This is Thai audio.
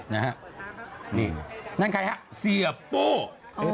นั่นใครฮะเสียปู้